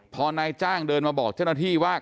พอนายจ้างเดินมาบอกเจ้าหน้าที่ว่า